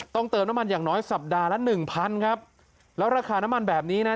เติมน้ำมันอย่างน้อยสัปดาห์ละหนึ่งพันครับแล้วราคาน้ำมันแบบนี้นะ